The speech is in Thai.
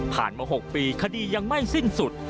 มา๖ปีคดียังไม่สิ้นสุด